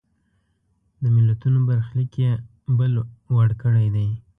د ملتونو برخلیک یې بل وړ کړی دی.